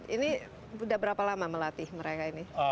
ini sudah berapa lama melatih mereka ini